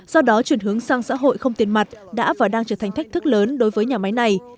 do đó chuyển hướng sang xã hội không tiền mặt đã và đang trở thành thách thức lớn đối với nhà máy này